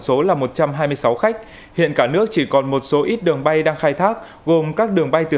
số là một trăm hai mươi sáu khách hiện cả nước chỉ còn một số ít đường bay đang khai thác gồm các đường bay từ